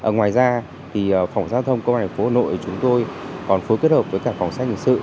ngoài ra phòng giao thông công an thành phố hà nội chúng tôi còn phối kết hợp với cả phòng xe nhân sự